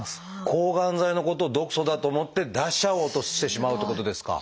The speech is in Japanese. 抗がん剤のことを毒素だと思って出しちゃおうとしてしまうってことですか。